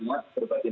jangan cuma penjara